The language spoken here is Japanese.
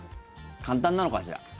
簡単なのかしら。